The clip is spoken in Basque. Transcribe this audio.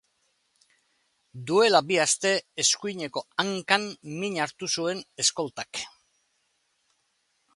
Duela bi aste eskuineko hankan min hartu zuen eskoltak.